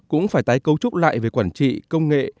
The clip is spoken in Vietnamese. cũng phải tái cấu trúc lại về quản trị công nghệ